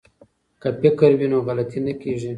که فکر وي نو غلطي نه کیږي.